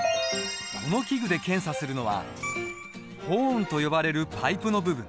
この器具で検査するのはホーンと呼ばれるパイプの部分。